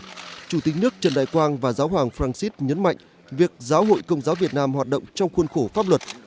nhân dịp này chủ tịch nước trần đại quang và giáo hoàng francis nhấn mạnh việc giáo hội công giáo việt nam hoạt động trong khuôn khổ pháp luật